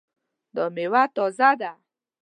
دا میوه تازه ده؟